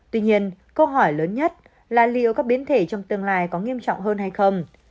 tuy nhiên câu hỏi lớn nhất là liệu các biến thể trong tương lai có nghiêm trọng hơn hay không